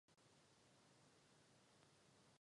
Už v dětství se Dreymon chtěl stát hercem.